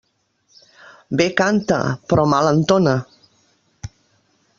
Bé canta, però mal entona.